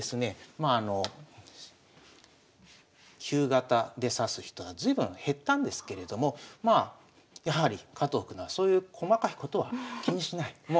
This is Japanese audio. まああの旧型で指す人は随分減ったんですけれどもまあやはり加藤九段そういう細かいことは気にしない。